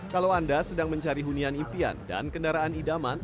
kalau anda sedang mencari hunian impian dan kendaraan idaman